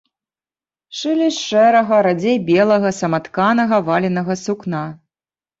Шылі з шэрага, радзей белага, саматканага валенага сукна.